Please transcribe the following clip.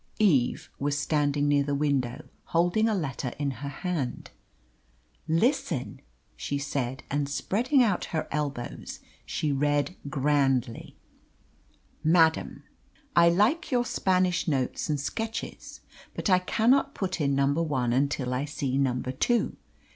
Eve was standing near the window, holding a letter in her hand. "Listen!" she said, and spreading out her elbows she read grandly "'MADAM, I like your Spanish Notes and Sketches; but I cannot put in number one until I see number two.